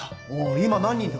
今何人だ？